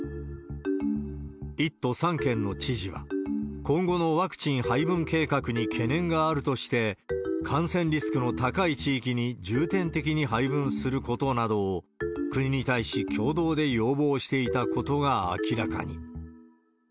１都３県の知事は、今後のワクチン配分計画に懸念があるとして、感染リスクの高い地域に重点的に配分することなどを、国に対し共同で要望していたことが明らかに。